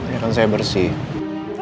ya kan saya bersih